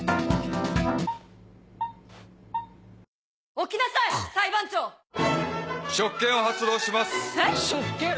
「起きなさい！裁判長」「職権を発動します」